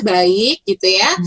baik gitu ya